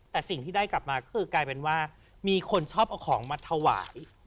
แต่สิ่งที่ได้กลับมาคือกลายเป็นว่ามีคนชอบเอาของมาถวาย